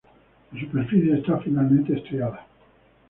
La superficie esta finamente estriada.